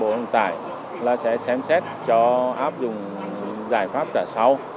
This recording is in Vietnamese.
bộ hợp tác quốc tế và hợp tác quốc tế sẽ xem xét cho áp dụng giải pháp trả sau